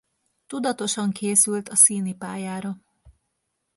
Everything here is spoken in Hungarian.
Tudatosan készült a színi pályára.